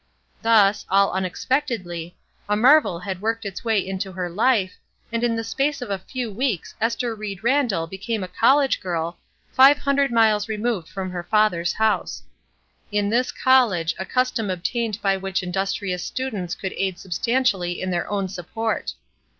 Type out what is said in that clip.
Thus, all unex pectedly, a marvel had worked its way into her Ufe, and in the space of a few weeks Esther Ried Randall became a college girl, five hun dred miles removed fromher father's house In this college a custom obtained by which indus trious students could aid substantially m their own support.